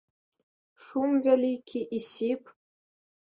Шум вялікі і сіп.